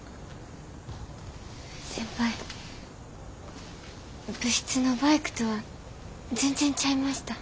先輩部室のバイクとは全然ちゃいました。